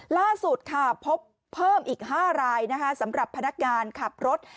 ล่าสุดค่ะพบเพิ่มอีก๕รายสำหรับพนักงานขับรถ